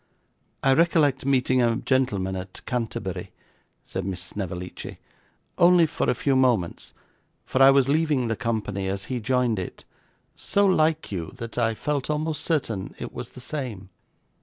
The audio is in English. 'I recollect meeting a gentleman at Canterbury,' said Miss Snevellicci, 'only for a few moments, for I was leaving the company as he joined it, so like you that I felt almost certain it was the same.